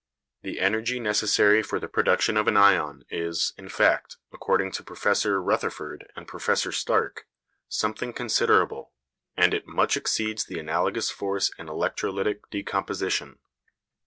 The energy necessary for the production of an ion is, in fact, according to Professor Rutherford and Professor Stark, something considerable, and it much exceeds the analogous force in electrolytic decomposition.